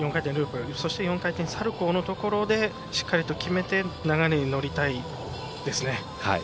そして４回転サルコウのところでしっかり決めて流れに乗りたいですね。